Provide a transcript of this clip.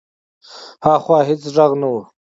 هاخوا هېڅ غږ نه و.